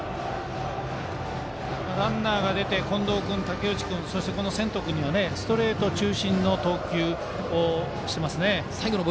ランナーが出て近藤君と武内君そしてこの専徒君にはストレート中心の投球をしていますね。